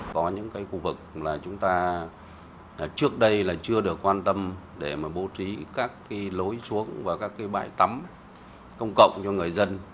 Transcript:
có những khu vực là chúng ta trước đây là chưa được quan tâm để mà bố trí các cái lối xuống và các cái bãi tắm công cộng cho người dân